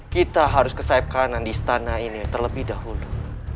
kita harus ke sayap kanan di istana ini terlebih dahulu